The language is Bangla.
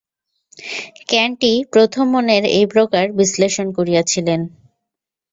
ক্যাণ্ট-ই প্রথম মনের এই প্রকার বিশ্লেষণ করিয়াছিলেন।